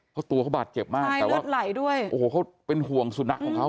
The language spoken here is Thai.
เพราะตัวเขาบาดเจ็บมากใช่แต่ว่าไหลด้วยโอ้โหเขาเป็นห่วงสุนัขของเขา